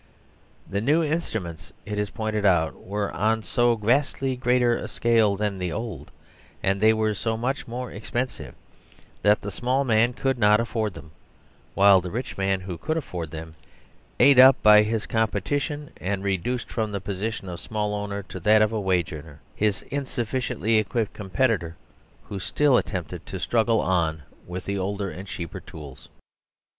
The new instruments, it is pointed out, were on so vastly greater a scale than the old, and were so much more expensive, that the small man could not afford them ; while the rich man, who could afford them, ate up by his competition, and reduced from the position of a small owner to that of a wage earner, his insuffi ciently equipped competitor who still attempted to struggle on with the older and cheaper tools.